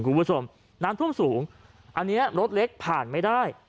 คุณผู้ชมน้ำท่วมสูงอันนี้รถเล็กผ่านไม่ได้